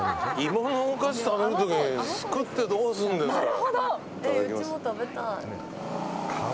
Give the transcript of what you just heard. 芋のお菓子食べる時にすくってどうするんですか。